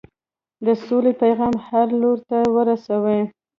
د سولې پیغام هر لوري ته ورسوئ.